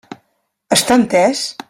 Està entès?